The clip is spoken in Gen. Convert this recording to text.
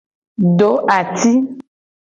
Do ati.